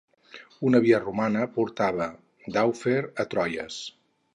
Una via romana portava d'Harfleur a Troyes.